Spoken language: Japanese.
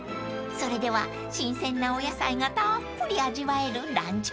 ［それでは新鮮なお野菜がたっぷり味わえるランチ